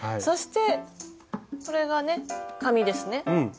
そしてこれがね紙ですね。